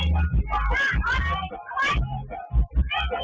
วงจรปิดของร้านครับคุณผู้ชมและอามินครับ